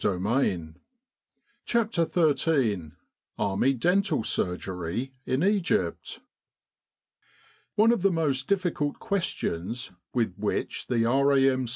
200 CHAPTER XIII ARMY DENTAL SURGERY IN EGYPT ONE of the most difficult questions with which the R.A.M.